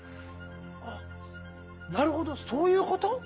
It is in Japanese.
あっなるほどそういうこと？